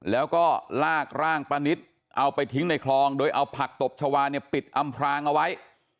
แล้วก็ลากร่างป้านิตเอาไปทิ้งในคลองโดยเอาผักตบชาวาเนี่ยปิดอำพรางเอาไว้